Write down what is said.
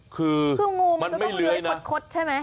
คืองูมันจะต้องเลื้อยคดใช่ไหม